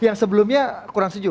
yang sebelumnya kurang sejuk